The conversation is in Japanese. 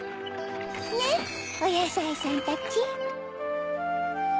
ねっおやさいさんたち。